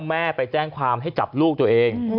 แม่ไปแจ้งความให้จับลูกตัวเอง